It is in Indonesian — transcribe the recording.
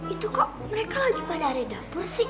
itu kok mereka lagi pada reda persi